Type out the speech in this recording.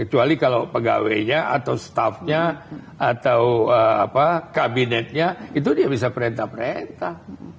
kecuali kalau pegawainya atau staffnya atau kabinetnya itu dia bisa perintah perintah